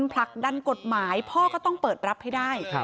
ผลักดันกฎหมายพ่อก็ต้องเปิดรับให้ได้